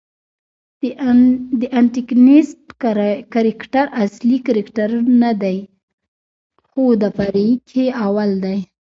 انټکنیسټ کرکټراصلي کرکټرنه دئ، خو د فرعي کښي اول دئ.